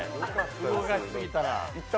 動かしすぎたら。